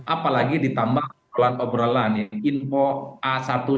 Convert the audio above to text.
apalagi ditambah soalan soalan yang info a satu setelah a dua